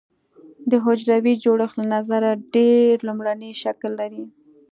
د حجروي جوړښت له نظره ډېر لومړنی شکل لري.